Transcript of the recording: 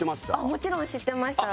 もちろん知ってました。